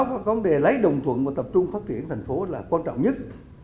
theo đó vấn đề lấy đồng thuận và tập trung phát triển thành phố là quan trọng nhất